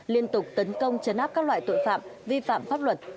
liên tục tấn công chấn áp các loại tội phạm vi phạm pháp luật